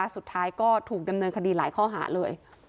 สุดท้ายก็ถูกดำเนินคดีหลายข้อหาเลย